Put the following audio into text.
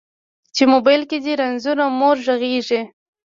چې موبایل کې دې رنځوره مور غږیږي